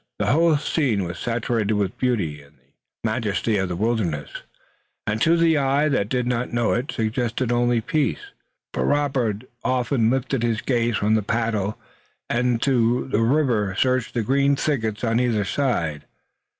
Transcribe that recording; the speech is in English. The whole scene was saturated with the beauty and the majesty of the wilderness, and to the eye that did not know it suggested only peace. But Robert often lifted his gaze from the paddle and the river to search the green thickets on either side.